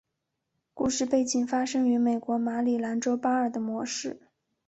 故事背景发生于美国马里兰州巴尔的摩市。